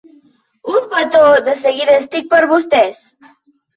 Un petó, de seguida estic per vostès.